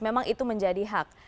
memang itu menjadi hak